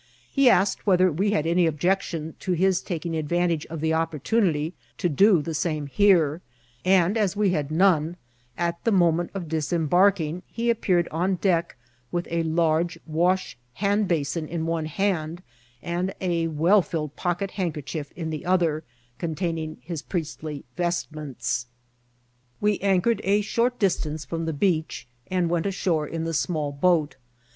He asked wheth* er we had any objection to his taking advantage of the opportunity to do the same here ; and, as we had none, at the moment of disembarking he appeared on deck with a large wash hand basin in one hand, and a well* filled pocket handkerchief m the other,, containing his priestly vestments. 98 INCIDENTS OF TBATBL. We anchored a short distance from the beach, and went ashore in the small boat.